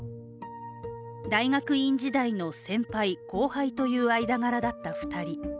大学院時代の先輩、後輩という間柄だった２人。